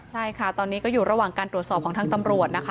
ใช่ค่ะตอนนี้ก็อยู่ระหว่างการตรวจสอบของทางตำรวจนะคะ